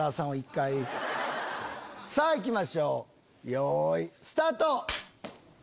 さぁ行きましょうよいスタート！